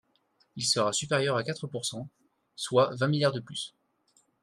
Il sera supérieur à quatre pourcent, soit vingt milliards de plus.